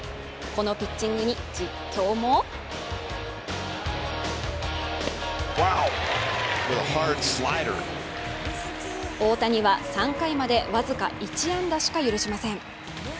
このピッチングに実況も大谷は３回まで僅か１安打しか許しません。